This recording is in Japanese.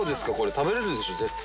食べれるでしょ絶対。